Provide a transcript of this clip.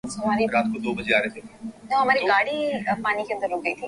میرے شاہِ سلیماں جاہ سے نسبت نہیں‘ غالبؔ!